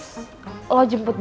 lu harus berjalan jalan ke mall